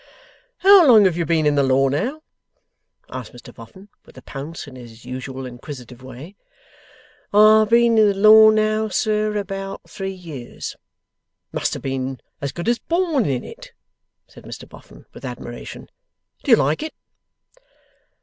'How long have you been in the law, now?' asked Mr Boffin, with a pounce, in his usual inquisitive way. 'I've been in the law, now, sir, about three years.' 'Must have been as good as born in it!' said Mr Boffin, with admiration. 'Do you like it?